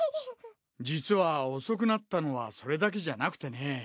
実は遅くなったのはそれだけじゃなくてね。